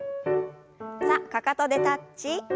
さあかかとでタッチ。